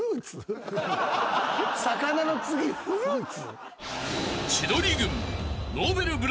魚の次フルーツ？